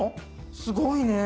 すごいね。